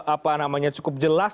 apa namanya cukup jelas